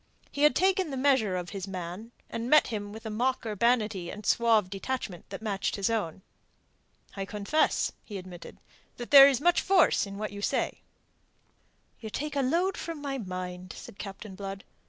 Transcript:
He had taken the measure of his man, and met him with a mock urbanity and a suave detachment that matched his own. "I confess," he admitted, "that there is much force in what you say." "You take a load from my mind," said Captain Blood.